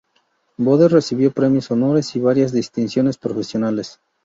Bode recibió premios, honores y varias distinciones profesionales.